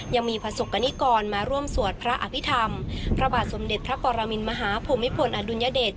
ยังมีประสบกรณิกรมาร่วมสวดพระอภิษฐรรมพระบาทสมเด็จพระปรมินมหาภูมิพลอดุลยเดช